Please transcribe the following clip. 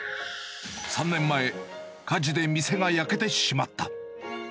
３年前、火事で店が焼けてしまった。